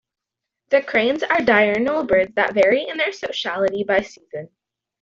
The cranes are diurnal birds that vary in their sociality by season.